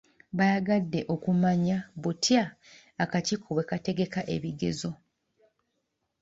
Baayagadde okumanya butya akakiiko bwe kategeka ebigezo.